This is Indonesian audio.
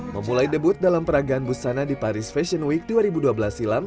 memulai debut dalam peragaan busana di paris fashion week dua ribu dua belas silam